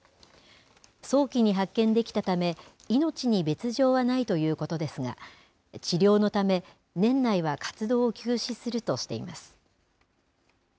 早期に発見できたため、命に別状はないということですが、治療のため、年内は活動を休止するとしています。